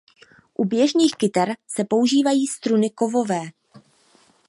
U běžných kytar se používají struny kovové.